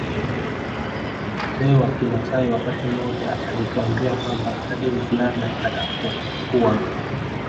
Mzee wa kimaasai wakati mmoja alituambia kwamba hadi mvulana atakapokuwa